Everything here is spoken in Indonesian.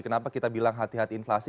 kenapa kita bilang hati hati inflasi